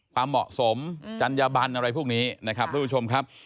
ความเหมาะสมจัญญบันอะไรพวกนี้นะครับทุกผู้ชมครับ